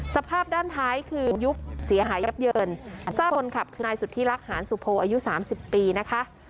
สภาพด้านท้ายคือยุบเสียหายยับเยินทราบคนขับคือนายสุธิรักหานสุโพอายุสามสิบปีนะคะ